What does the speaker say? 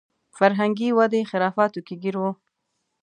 فرهنګي ودې خرافاتو کې ګیر و.